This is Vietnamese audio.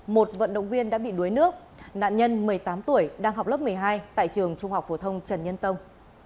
một vận động viên đã bị đuối nước nạn nhân một mươi tám tuổi đang học lớp một mươi hai tại trường trung học phổ thông trần nhân tông